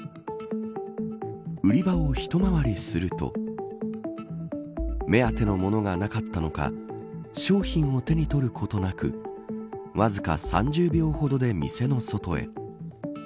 売り場を一回りすると目当てのものがなかったのか商品を手に取ることなくわずか３０秒ほどで店の外へ。